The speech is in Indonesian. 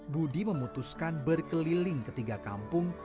budi memutuskan berkeliling ketiga kampung